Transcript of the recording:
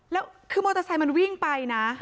แล้วคือมอเตอร์ไซค์มันวิ่งไปนะ